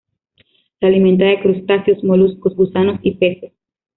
Se alimenta de crustáceos, moluscos, gusanos y peces.